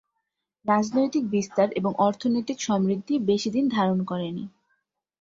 রাজনৈতিক বিস্তার এবং অর্থনৈতিক সমৃদ্ধি বেশিদিন ধারণ করেনি।